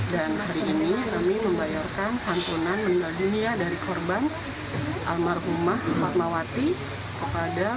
dan segini kami membayarkan santunan menilai dunia dari korban almarhumah fatmawati kepada